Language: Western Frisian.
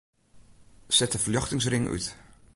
Set de ferljochtingsring út.